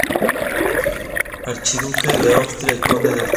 Archiduque de Austria y conde del Tirol.